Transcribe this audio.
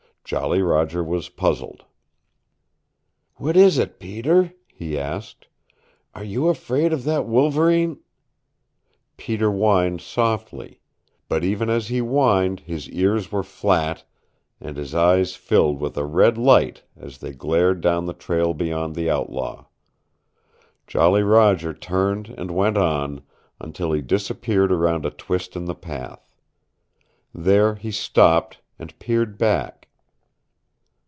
Jolly Roger was puzzled. "What is it, Peter?" he asked. "Are you afraid of that wolverine " Peter whined softly; but even as he whined, his ears were flat, and his eyes filled with a red light as they glared down the trail beyond the outlaw. Jolly Roger turned and went on, until he disappeared around a twist in the path. There he stopped, and peered back.